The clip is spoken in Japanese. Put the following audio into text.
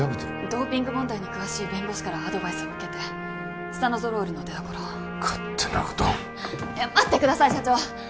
ドーピング問題に詳しい弁護士からアドバイスを受けてスタノゾロールの出どころを勝手なことをいや待ってください社長